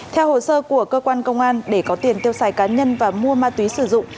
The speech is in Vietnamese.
theo hồ sơ của cơ quan công an để có tiền tiêu xài cá nhân và mua ma túy sử dụng